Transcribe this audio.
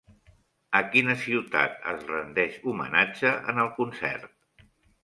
A quina ciutat es rendeix homenatge en el concert?